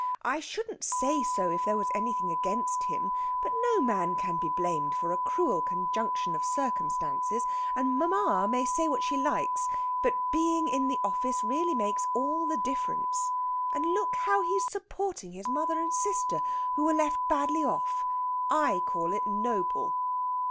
I shouldn't say so if there was anything against him. But no man can be blamed for a cruel conjunction of circumstances, and mamma may say what she likes, but being in the office really makes all the difference. And look how he's supporting his mother and sister, who were left badly off. I call it noble."